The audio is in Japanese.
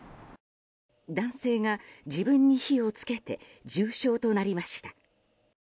男性が自分に火を付けて重傷となりました。